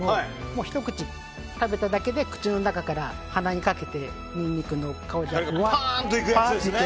ひと口食べただけで口の中から鼻にかけてにんにくの香りがパーッと。